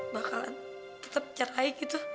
bakal tetap ceraik itu